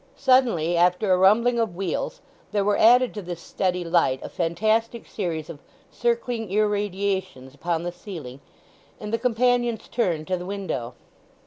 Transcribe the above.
Suddenly, after a rumbling of wheels, there were added to this steady light a fantastic series of circling irradiations upon the ceiling, and the companions turned to the window.